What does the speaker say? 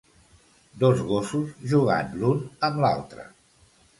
dos gossos jugant l'un amb l'altre